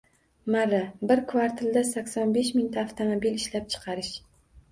Marra – bir kvartalda sakson besh mingta avtomobil ishlab chiqarish.